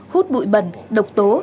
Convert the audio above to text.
hút bụi bẩn độc tố